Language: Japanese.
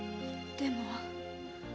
「でも」？